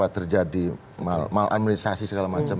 terjadi mal mal administrasi segala macam